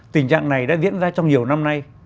tình trạng này đã diễn ra trong nhiều năm nay